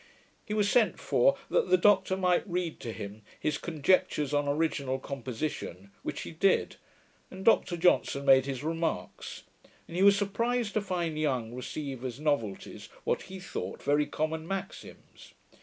He was sent for, that the doctor might read to him his Conjectures on Original Composition, which he did, and Dr Johnson made his remarks; and he was surprised to find Young receive as novelties, what he thought very common maxims.